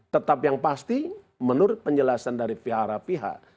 tetap yang pasti menurut penjelasan dari pihak pihak